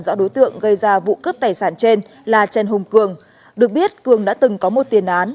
rõ đối tượng gây ra vụ cướp tài sản trên là trần hùng cường được biết cường đã từng có một tiền án